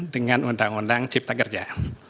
dengan undang undang cipta kerja